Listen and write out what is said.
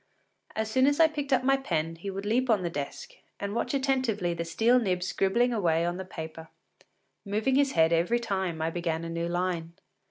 As soon as I picked up my pen, he would leap upon the desk, and watch attentively the steel nib scribbling away on the paper, moving his head every time I began a new line.